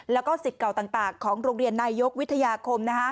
แล้วก็สิทธิ์เก่าต่างของโรงเรียนนายยกวิทยาคม